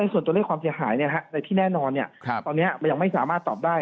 ส่วนตัวเลขความเสียหายในที่แน่นอนตอนนี้มันยังไม่สามารถตอบได้